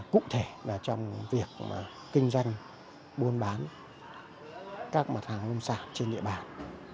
cụ thể là trong việc kinh doanh buôn bán các mặt hàng nông sản trên địa bàn